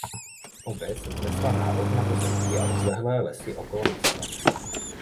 Obec vznesla nárok na pozemky a rozlehlé lesy okolo města.